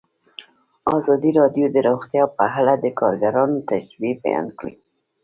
ازادي راډیو د روغتیا په اړه د کارګرانو تجربې بیان کړي.